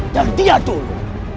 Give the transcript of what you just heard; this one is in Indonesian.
dan dia dulu